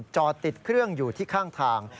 จอดติดเครื่องอยู่ที่ข้างทาง